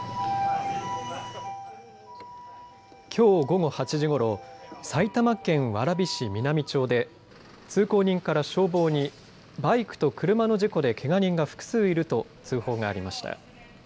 きょう午後８時ごろ埼玉県蕨市南町で通行人から消防にバイクと車の事故でけが人が複数いると通報がありました。